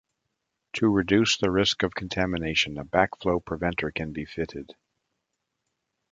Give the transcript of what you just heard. To reduce the risk of contamination, a backflow preventer can be fitted.